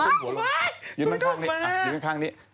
คอถ่ายให้ดู